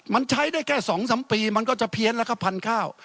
มันใช้ได้แค่๒๓ปีมันก็จะเพี้ยนแล้วครับพันธุ์ข้าว